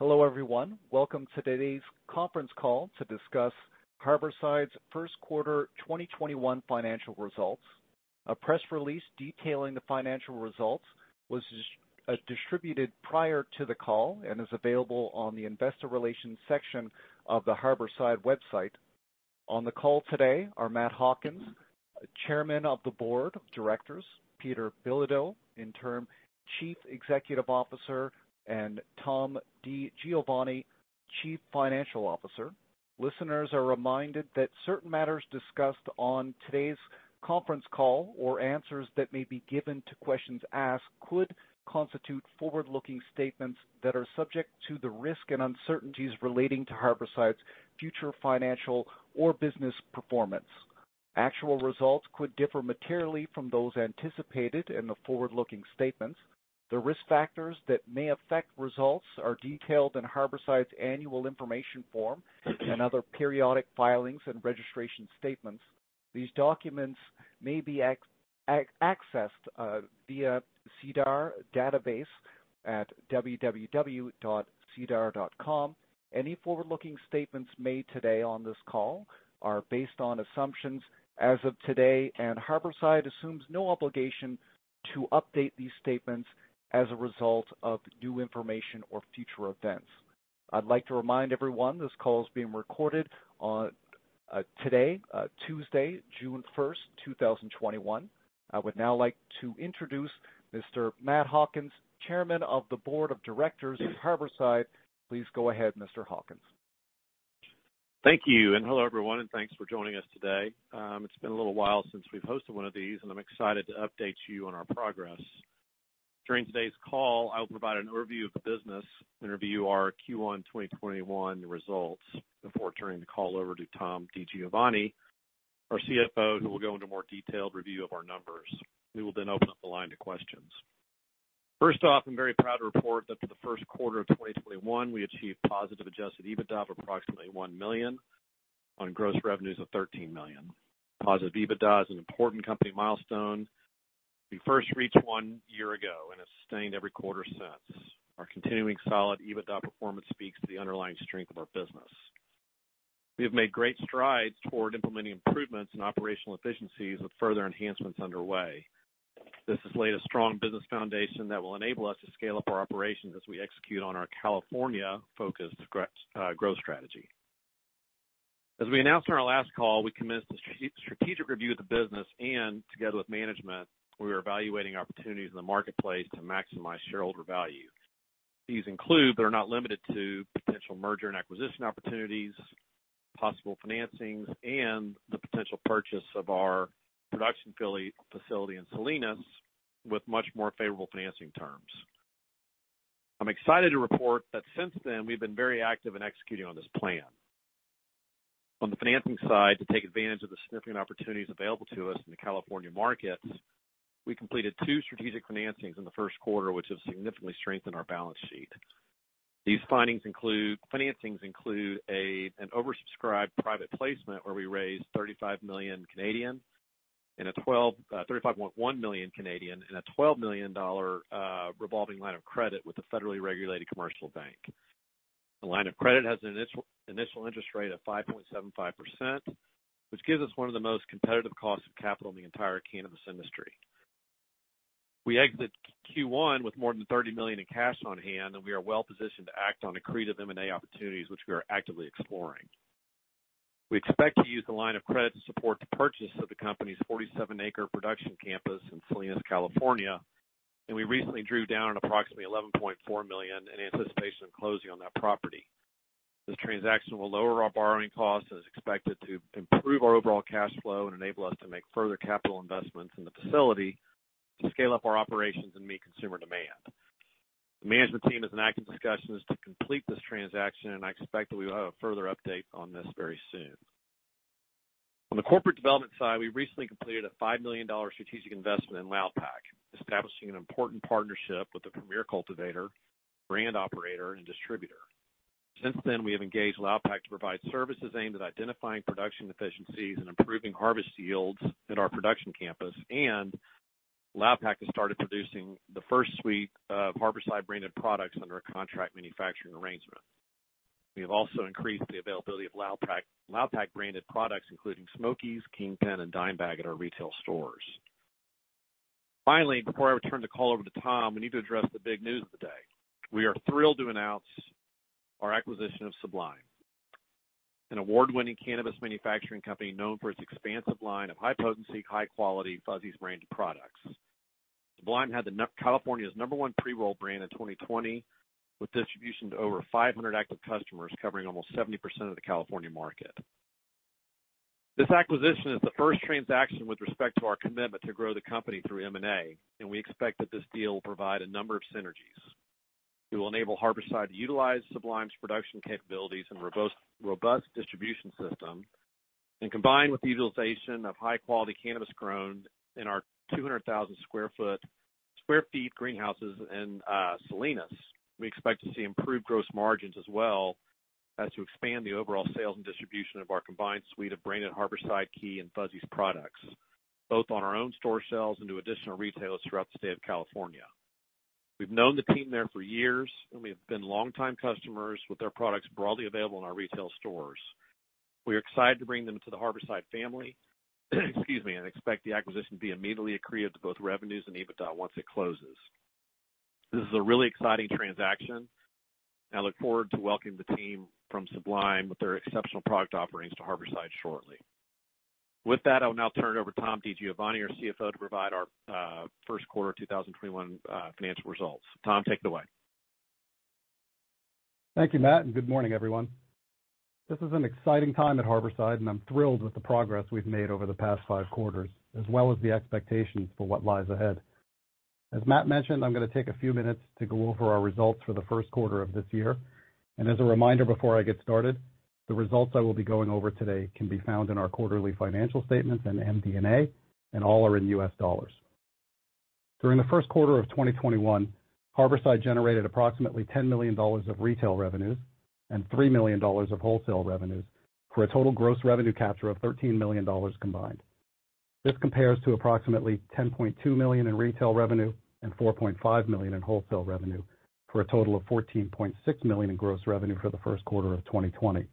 Hello, everyone. Welcome to today's conference call to discuss Harborside's first quarter 2021 financial results. A press release detailing the financial results was distributed prior to the call and is available on the investor relations section of the Harborside website. On the call today are Matt Hawkins, Chairman of the Board of Directors, Peter Bilodeau, Interim Chief Executive Officer, and Tom DiGiovanni, Chief Financial Officer. Listeners are reminded that certain matters discussed on today's conference call or answers that may be given to questions asked could constitute forward-looking statements that are subject to the risk and uncertainties relating to Harborside's future financial or business performance. Actual results could differ materially from those anticipated in the forward-looking statements. The risk factors that may affect results are detailed in Harborside's annual information form and other periodic filings and registration statements. These documents may be accessed via SEDAR database at www.sedar.com. Any forward-looking statements made today on this call are based on assumptions as of today, and Harborside assumes no obligation to update these statements as a result of new information or future events. I'd like to remind everyone this call is being recorded today, Tuesday, June 1st, 2021. I would now like to introduce Mr. Matt Hawkins, Chairman of the Board of Directors at Harborside. Please go ahead, Mr. Hawkins. Thank you. Hello, everyone, and thanks for joining us today. It's been a little while since we've hosted one of these, and I'm excited to update you on our progress. During today's call, I will provide an overview of the business and review our Q1 2021 results before turning the call over to Tom DiGiovanni, our CFO, who will go into more detailed review of our numbers. We will open up the line of questions. First off, I'm very proud to report that for the first quarter of 2021, we achieved positive adjusted EBITDA of approximately $1 million on gross revenues of $13 million. Positive EBITDA is an important company milestone we first reached one year ago, and it's sustained every quarter since. Our continuing solid EBITDA performance speaks to the underlying strength of our business. We have made great strides toward implementing improvements in operational efficiencies with further enhancements underway. This has laid a strong business foundation that will enable us to scale up our operations as we execute on our California-focused growth strategy. As we announced on our last call, we commenced a strategic review of the business, and together with management, we are evaluating opportunities in the marketplace to maximize shareholder value. These include, but are not limited to, potential merger and acquisition opportunities, possible financings, and the potential purchase of our production facility in Salinas with much more favorable financing terms. I'm excited to report that since then, we've been very active in executing on this plan. On the financing side, to take advantage of the significant opportunities available to us in the California markets, we completed two strategic financings in the first quarter, which has significantly strengthened our balance sheet. These financings include an oversubscribed private placement where we raised 35.1 million and a $12 million revolving line of credit with a federally regulated commercial bank. The line of credit has an initial interest rate of 5.75%, which gives us one of the most competitive cost of capital in the entire cannabis industry. We exit Q1 with more than $30 million in cash on hand, and we are well-positioned to act on accretive M&A opportunities, which we are actively exploring. We expect to use the line of credit to support the purchase of the company's 47-acre production campus in Salinas, California, and we recently drew down approximately $11.4 million in anticipation of closing on that property. This transaction will lower our borrowing costs and is expected to improve our overall cash flow and enable us to make further capital investments in the facility to scale up our operations and meet consumer demand. I expect that we will have a further update on this very soon. On the corporate development side, we recently completed a $5 million strategic investment in Loudpack, establishing an important partnership with a premier cultivator, brand operator, and distributor. Since then, we have engaged Loudpack to provide services aimed at identifying production efficiencies and improving harvest yields at our production campus, and Loudpack has started producing the first suite of Harborside-branded products under a contract manufacturing arrangement. We have also increased the availability of Loudpack-branded products, including Smokiez, Kingpen, and Dime Bag, at our retail stores. Finally, before I turn the call over to Tom, we need to address the big news of the day. We are thrilled to announce our acquisition of Sublime, an award-winning cannabis manufacturing company known for its expansive line of high-potency, high-quality Fuzzies-branded products. Sublime had the California's number one pre-roll brand in 2020, with distribution to over 500 active customers covering almost 70% of the California market. This acquisition is the first transaction with respect to our commitment to grow the company through M&A, and we expect that this deal will provide a number of synergies. It will enable Harborside to utilize Sublime's production capabilities and robust distribution system, and combined with the utilization of high-quality cannabis grown in our 200,000 sq ft greenhouses in Salinas. We expect to see improved gross margins as well as we expand the overall sales and distribution of our combined suite of branded Harborside, KEY, and Fuzzies products, both on our own store sales and to additional retailers throughout the state of California. We've known the team there for years, and we have been longtime customers with our products broadly available in our retail stores. We are excited to bring them to the Harborside family, excuse me, and expect the acquisition to be immediately accretive to both revenues and EBITDA once it closes. This is a really exciting transaction. I look forward to welcoming the team from Sublime with their exceptional product offerings to Harborside shortly. With that, I'll now turn it over to Tom DiGiovanni, our CFO, to provide our first quarter 2021 financial results. Tom, take it away. Thank you, Matt, and good morning, everyone. This is an exciting time at Harborside, and I'm thrilled with the progress we've made over the past five quarters, as well as the expectations for what lies ahead. As Matt mentioned, I'm going to take a few minutes to go over our results for the first quarter of this year. As a reminder, before I get started, the results I will be going over today can be found in our quarterly financial statements and MD&A, and all are in U.S. dollars. During the first quarter of 2021, Harborside generated approximately $10 million of retail revenues and $3 million of wholesale revenues, for a total gross revenue capture of $13 million combined. This compares to approximately $10.2 million in retail revenue and $4.5 million in wholesale revenue, for a total of $14.6 million in gross revenue for the first quarter of 2020.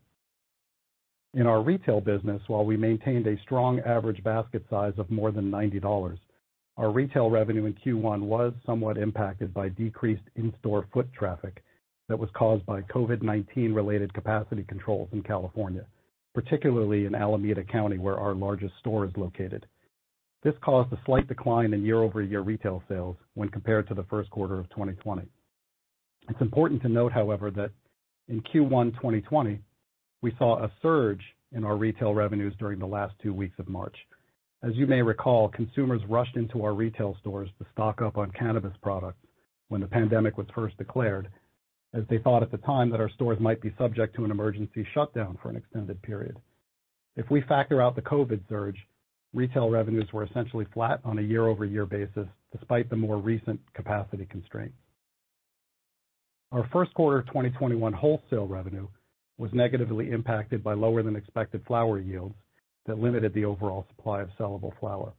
In our retail business, while we maintained a strong average basket size of more than $90, our retail revenue in Q1 was somewhat impacted by decreased in-store foot traffic that was caused by COVID-19 related capacity controls in California, particularly in Alameda County, where our largest store is located. This caused a slight decline in year-over-year retail sales when compared to the first quarter of 2020. It is important to note, however, that in Q1 2020, we saw a surge in our retail revenues during the last two weeks of March. As you may recall, consumers rushed into our retail stores to stock up on cannabis products when the pandemic was first declared, as they thought at the time that our stores might be subject to an emergency shutdown for an extended period. If we factor out the COVID surge, retail revenues were essentially flat on a year-over-year basis, despite the more recent capacity constraints. Our first quarter 2021 wholesale revenue was negatively impacted by lower than expected flower yields that limited the overall supply of sellable flower.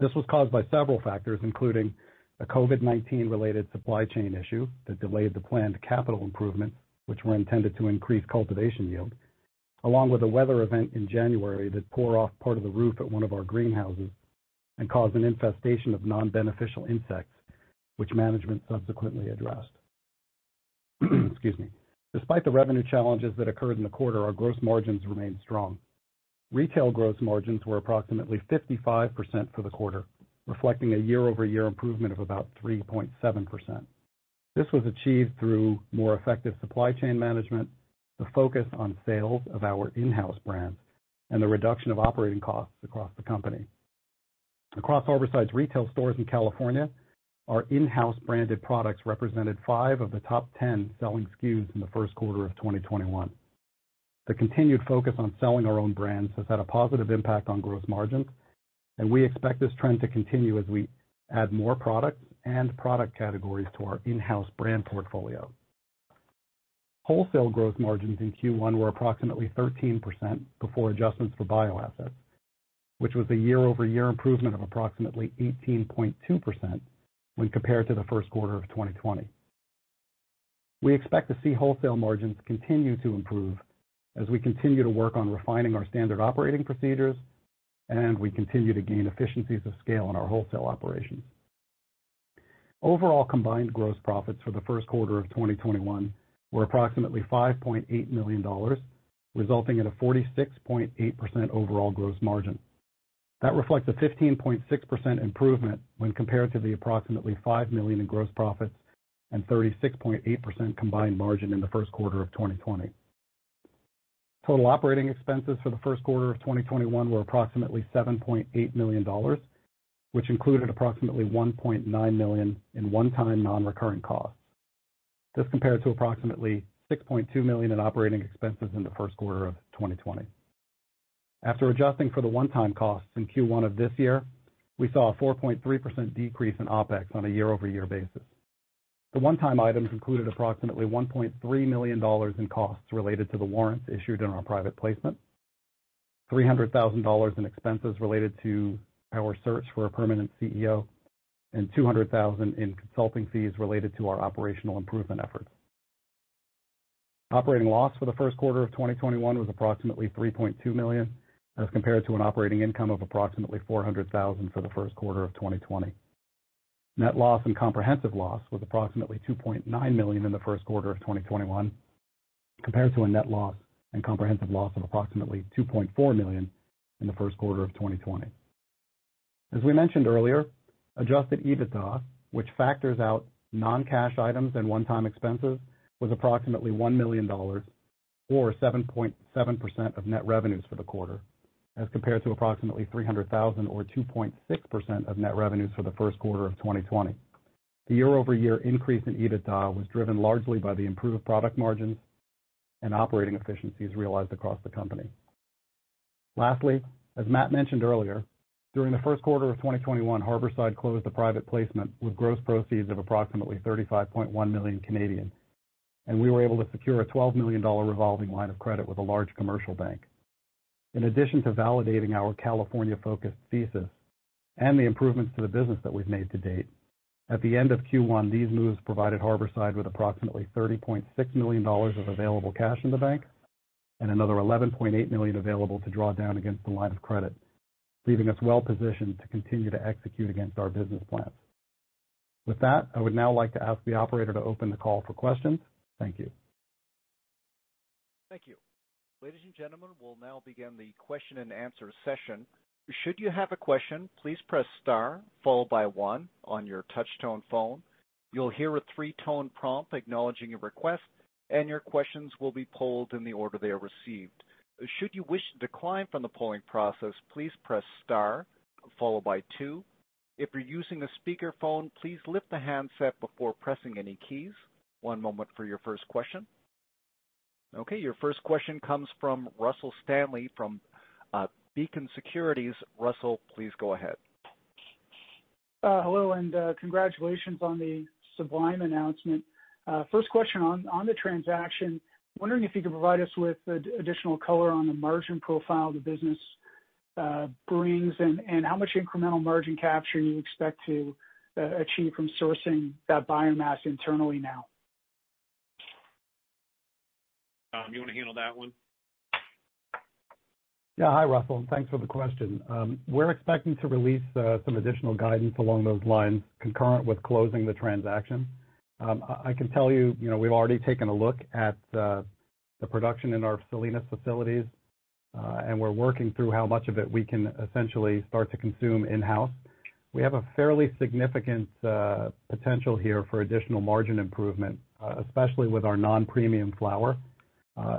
This was caused by several factors, including a COVID-19 related supply chain issue that delayed the planned capital improvements, which were intended to increase cultivation yield, along with a weather event in January that tore off part of the roof at one of our greenhouses and caused an infestation of non-beneficial insects, which management subsequently addressed. Excuse me. Despite the revenue challenges that occurred in the quarter, our gross margins remained strong. Retail gross margins were approximately 55% for the quarter, reflecting a year-over-year improvement of about 3.7%. This was achieved through more effective supply chain management, the focus on sales of our in-house brands, and the reduction of operating costs across the company. Across Harborside's retail stores in California, our in-house branded products represented five of the top 10 selling SKUs in the first quarter of 2021. The continued focus on selling our own brands has had a positive impact on gross margins, and we expect this trend to continue as we add more products and product categories to our in-house brand portfolio. Wholesale gross margins in Q1 were approximately 13% before adjustments for bio-assets, which was a year-over-year improvement of approximately 18.2% when compared to the first quarter of 2020. We expect to see wholesale margins continue to improve as we continue to work on refining our standard operating procedures and we continue to gain efficiencies of scale in our wholesale operations. Overall combined gross profits for the first quarter of 2021 were approximately $5.8 million, resulting in a 46.8% overall gross margin. That reflects a 15.6% improvement when compared to the approximately $5 million in gross profits and 36.8% combined margin in the first quarter of 2020. Total operating expenses for the first quarter of 2021 were approximately $7.8 million, which included approximately $1.9 million in one-time non-recurring costs. This compared to approximately $6.2 million in operating expenses in the first quarter of 2020. After adjusting for the one-time costs in Q1 of this year, we saw a 4.3% decrease in OpEx on a year-over-year basis. The one-time items included approximately $1.3 million in costs related to the warrants issued in our private placement, $300,000 in expenses related to our search for a permanent CEO, and $200,000 in consulting fees related to our operational improvement efforts. Operating loss for the first quarter of 2021 was approximately $3.2 million, as compared to an operating income of approximately $400,000 for the first quarter of 2020. Net loss and comprehensive loss was approximately $2.9 million in the first quarter of 2021, compared to a net loss and comprehensive loss of approximately $2.4 million in the first quarter of 2020. As we mentioned earlier, adjusted EBITDA, which factors out non-cash items and one-time expenses, was approximately $1 million, or 7.7% of net revenues for the quarter, as compared to approximately $300,000 or 2.6% of net revenues for the first quarter of 2020. The year-over-year increase in EBITDA was driven largely by the improved product margins and operating efficiencies realized across the company. Lastly, as Matt mentioned earlier, during the first quarter of 2021, Harborside closed a private placement with gross proceeds of approximately 35.1 million, and we were able to secure a $12 million revolving line of credit with a large commercial bank. In addition to validating our California-focused thesis and the improvements to the business that we've made to date, at the end of Q1, these moves provided Harborside with approximately $30.6 million of available cash in the bank and another $11.8 million available to draw down against the line of credit, leaving us well-positioned to continue to execute against our business plans. With that, I would now like to ask the operator to open the call for questions. Thank you. Thank you. Ladies and gentlemen, we'll now begin the question and answer session. Should you have a question, please press star followed by one on your touch-tone phone. You'll hear a three-tone prompt acknowledging your request, and your questions will be polled in the order they are received. Should you wish to decline from the polling process, please press star followed by two. If you're using a speakerphone, please lift the handset before pressing any keys. One moment for your first question. Okay, your first question comes from Russell Stanley from Beacon Securities. Russell, please go ahead. Hello. Congratulations on the Sublime announcement. First question on the transaction, wondering if you could provide us with additional color on the margin profile the business brings and how much incremental margin capture you expect to achieve from sourcing that biomass internally now? Tom, you want to handle that one? Hi, Russell. Thanks for the question. We're expecting to release some additional guidance along those lines concurrent with closing the transaction. I can tell you, we've already taken a look at the production in our Salinas facilities, and we're working through how much of it we can essentially start to consume in-house. We have a fairly significant potential here for additional margin improvement, especially with our non-premium flower,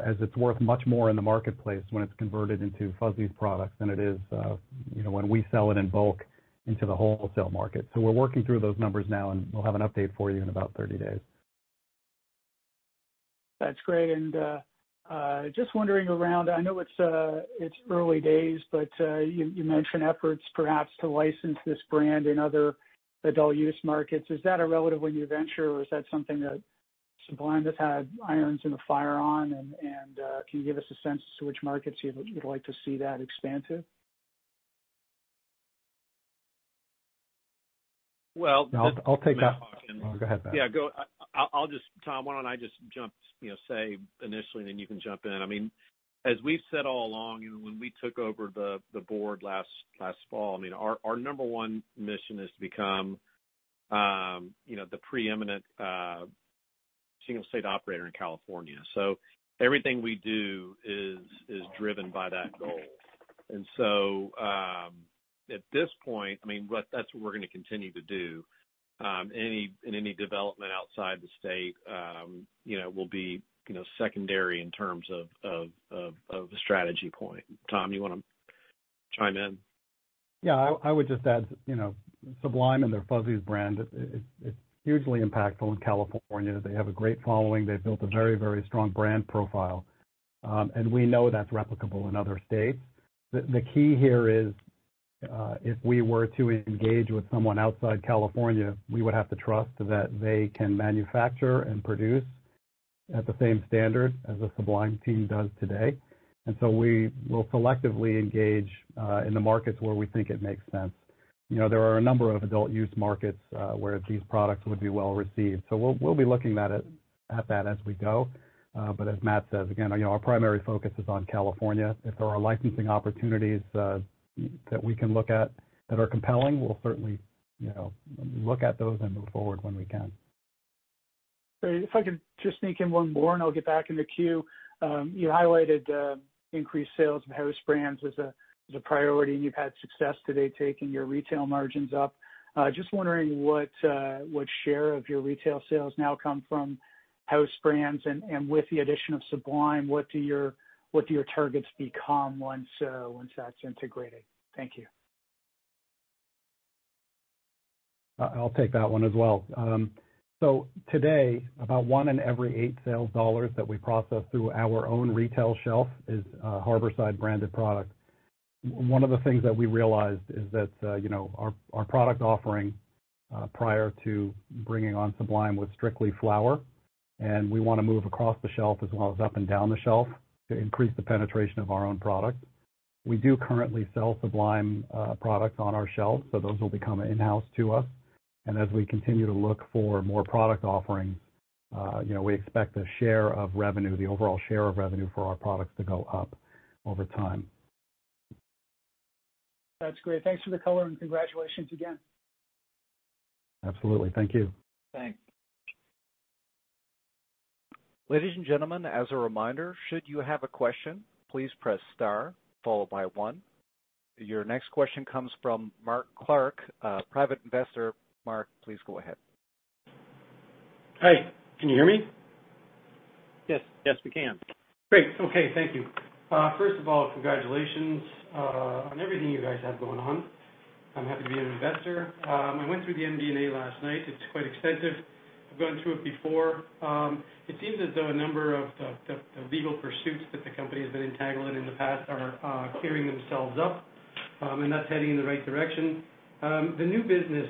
as it's worth much more in the marketplace when it's converted into Fuzzies products than it is when we sell it in bulk into the wholesale market. We're working through those numbers now, and we'll have an update for you in about 30 days. That's great, just wondering around, I know it's early days, but you mentioned efforts perhaps to license this brand in other adult use markets. Is that a relatively new venture or is that something that Sublime has had irons in the fire on, can you give us a sense as to which markets you would like to see that expand to? Well, I'll take that. Go ahead, Matt. Yeah, Tom, why don't I just jump, say initially, and then you can jump in. As we said all along, when we took over the board last fall, our number one mission has become the preeminent single-state operator in California. Everything we do is driven by that goal. At this point, that's what we're going to continue to do. Any development outside the state will be secondary in terms of a strategy point. Tom, you want to chime in? Yeah, I would just add, Sublime and their Fuzzies brand, it's hugely impactful in California. They have a great following. They've built a very strong brand profile. We know that's replicable in other states. The key here is, if we were to engage with someone outside California, we would have to trust that they can manufacture and produce at the same standard as the Sublime team does today. We will selectively engage in the markets where we think it makes sense. There are a number of adult use markets where these products would be well-received. We'll be looking at that as we go. As Matt says, again, our primary focus is on California. If there are licensing opportunities that we can look at that are compelling, we'll certainly look at those and move forward when we can. Great. If I could just sneak in one more, and I'll get back in the queue. You highlighted increased sales of house brands as a priority, and you've had success to date taking your retail margins up. Just wondering what share of your retail sales now come from house brands, and with the addition of Sublime, what do your targets become once that's integrated? Thank you. I'll take that one as well. Today, about one in every eight sales dollars that we process through our own retail shelf is a Harborside-branded product. One of the things that we realized is that our product offering prior to bringing on Sublime was strictly flower, and we want to move across the shelf as well as up and down the shelf to increase the penetration of our own product. We do currently sell Sublime product on our shelves, so those will become in-house to us. As we continue to look for more product offerings, we expect the share of revenue, the overall share of revenue for our products to go up over time. That's great. Thanks for the color and congratulations again. Absolutely. Thank you. Thanks. Ladies and Gentlemen as a reminder, should you have a question, please press star followed by one. Your next question comes from Mark Clark, a private investor. Mark, please go ahead. Hey, can you hear me? Yes, we can. Great. Okay, thank you. First of all, congratulations on everything you guys have going on. I'm happy to be an investor. I went through the MD&A last night. It's quite extensive. I've gone through it before. It seems as though a number of the legal pursuits that the company has been entangled in the past are clearing themselves up. That's heading in the right direction. The new business,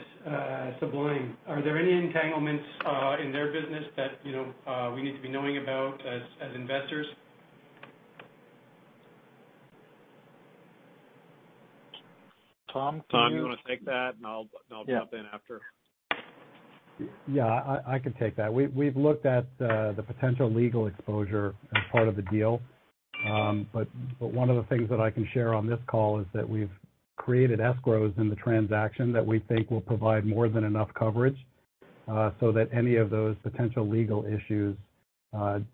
Sublime, are there any entanglements in their business that we need to be knowing about as investors? Tom, can you- Tom, do you want to take that, and I'll jump in after. Yeah, I can take that. We've looked at the potential legal exposure as part of the deal. One of the things that I can share on this call is that we've created escrows in the transaction that we think will provide more than enough coverage so that any of those potential legal issues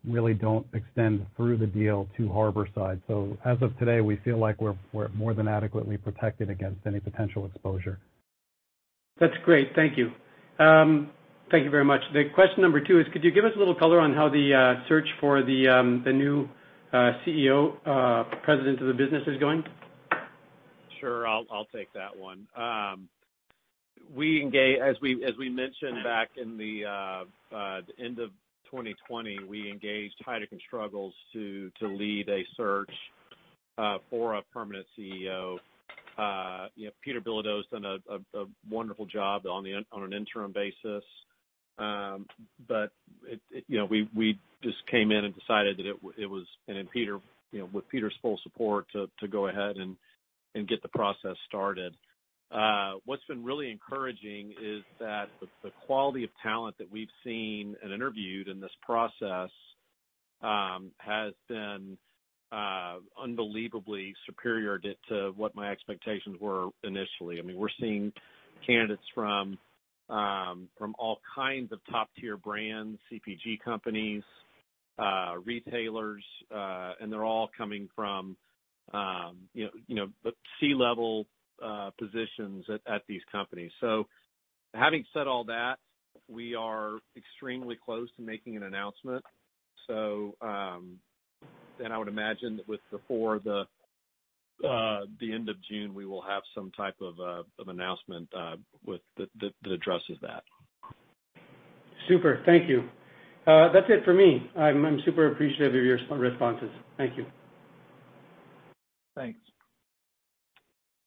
really don't extend through the deal to Harborside. As of today, we feel like we're more than adequately protected against any potential exposure. That's great. Thank you. Thank you very much. The question number two is, could you give us a little color on how the search for the new CEO, president of the business is going? Sure. I'll take that one. As we mentioned back in the end of 2020, we engaged Heidrick & Struggles to lead a search for a permanent CEO. Peter Bilodeau has done a wonderful job on an interim basis. We just came in and decided that it was, with Peter's full support, to go ahead and get the process started. What's been really encouraging is that the quality of talent that we've seen and interviewed in this process has been unbelievably superior to what my expectations were initially. We're seeing candidates from all kinds of top-tier brands, CPG companies, retailers, and they're all coming from C-level positions at these companies. Having said all that, we are extremely close to making an announcement. I would imagine that before the end of June, we will have some type of announcement that addresses that. Super. Thank you. That's it for me. I'm super appreciative of your responses. Thank you. Thanks.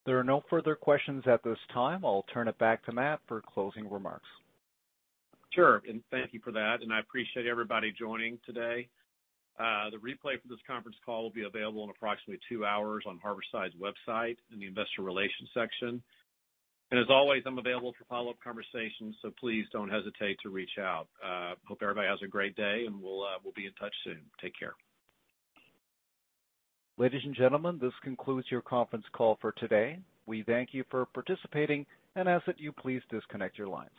If there are no further questions at this time, I'll turn it back to Matt for closing remarks. Sure, thank you for that, and I appreciate everybody joining today. The replay for this conference call will be available in approximately two hours on Harborside's website in the investor relations section. As always, I'm available for follow-up conversations, so please don't hesitate to reach out. Hope everybody has a great day, and we'll be in touch soon. Take care. Ladies and gentlemen, this concludes your conference call for today. We thank you for participating and ask that you please disconnect your lines.